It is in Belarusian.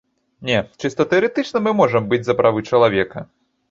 Не, чыста тэарэтычна мы можам быць за правы чалавека.